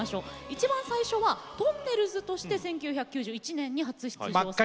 いちばん最初はとんねるずとして１９９１年に初出場です。